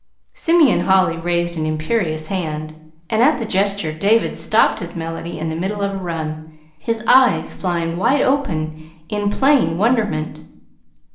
Simeon Holly raised an imperious hand; and at the gesture David stopped his melody in the middle of a run, his eyes flying wide open in plain wonderment.